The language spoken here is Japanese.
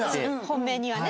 本命にはね。